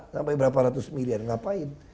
sampai berapa ratus miliar ngapain